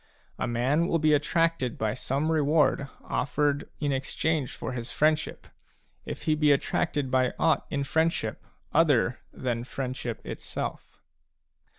A man will be attracted by some reward offered in exchange for his friendship, if he be attracted by aught in friendship other than friend ship itself.